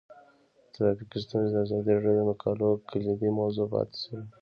ټرافیکي ستونزې د ازادي راډیو د مقالو کلیدي موضوع پاتې شوی.